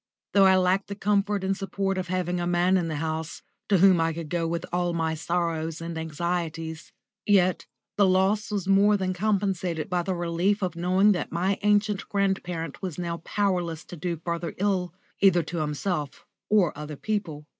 Though I lacked the comfort and support of having a man in the house, to whom I could go with all my sorrows and anxieties, yet the loss was more than compensated by the relief of knowing that my ancient grandparent was now powerless to do further ill, either to himself or other people.